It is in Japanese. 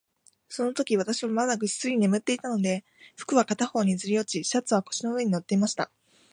そのとき、私はまだぐっすり眠っていたので、服は片方にずり落ち、シャツは腰の上に載っていました。